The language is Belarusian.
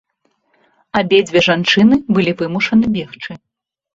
Абедзве жанчыны былі вымушаны бегчы.